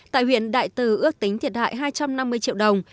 tại huyện đại từ ước tính thiệt hại hai trăm năm mươi triệu đồng